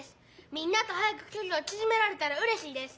みんなとはやくきょりをちぢめられたらうれしいです。